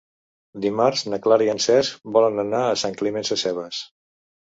Dimarts na Clara i en Cesc volen anar a Sant Climent Sescebes.